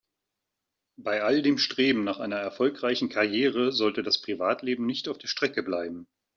Bei all dem Streben nach einer erfolgreichen Karriere sollte das Privatleben nicht auf der Strecke bleiben.